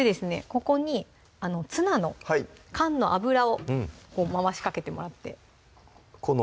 ここにツナの缶の油をこう回しかけてもらってこの？